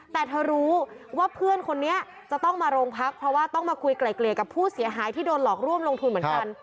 แต่เธอรู้ว่าเพื่อนคนนี้จะต้องมาโรงพักเพราะว่าต้องมาคุยไกล่เกลี่ยกับผู้เสียหายที่โดนหลอกร่วมลงทุนเหมือนกัน